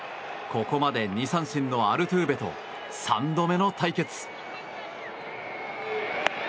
ここまで２三振のアルトゥーベと３度目の対決。